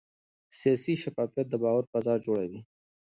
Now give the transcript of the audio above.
سیاسي شفافیت د باور فضا جوړوي